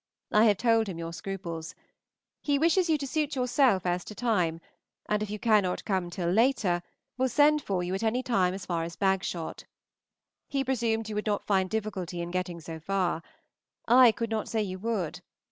I have told him your scruples. He wishes you to suit yourself as to time, and if you cannot come till later, will send for you at any time as far as Bagshot. He presumed you would not find difficulty in getting so far. I could not say you would.